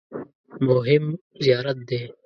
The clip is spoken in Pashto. مهم زیارت دی.